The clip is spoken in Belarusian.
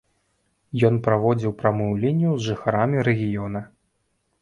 Ён праводзіў прамую лінію з жыхарамі рэгіёна.